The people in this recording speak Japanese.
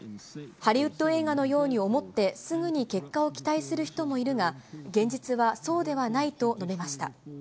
ハリウッド映画のように思って、すぐに結果を期待する人もいるが、現実はそうではないと述べました。